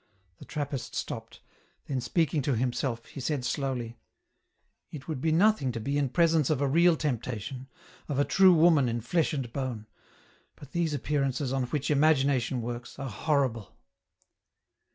..." The Trappist stopped ; then, speaking to himself, he said, slowly, " It would be nothing to be in presence of a real tempta tion, of a true woman in flesh and bone, but these appear ances on which imagination works, are horrible